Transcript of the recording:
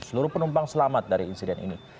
seluruh penumpang selamat dari insiden ini